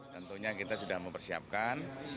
tentunya kita sudah mempersiapkan